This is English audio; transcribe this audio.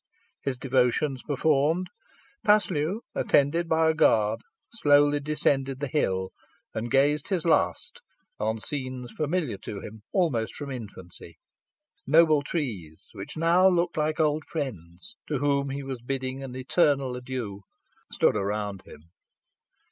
His devotions performed, Paslew, attended by a guard, slowly descended the hill, and gazed his last on scenes familiar to him almost from infancy. Noble trees, which now looked like old friends, to whom he was bidding an eternal adieu, stood around him.